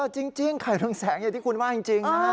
จริงไข่เรืองแสงอย่างที่คุณว่าจริงนะฮะ